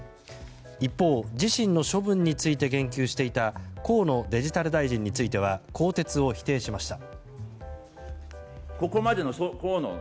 一方自身の処分について言及していた河野デジタル大臣については更迭を否定しました。